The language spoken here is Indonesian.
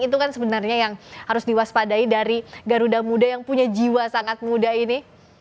itu kan sebenarnya yang harus diwaspadai dari garuda muda yang punya jiwa sangat muda ini